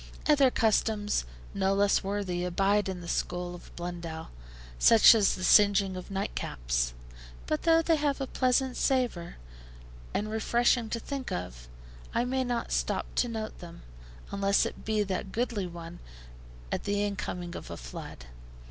Other customs, no less worthy, abide in the school of Blundell, such as the singeing of nightcaps; but though they have a pleasant savour, and refreshing to think of, I may not stop to note them, unless it be that goodly one at the incoming of a flood.